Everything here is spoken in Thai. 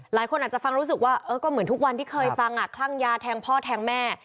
หลายคนอาจจะฟังรู้สึกว่าก็เหมือนทุกวันที่เคยฟังคลั่งยาแทงพ่อแทงแม่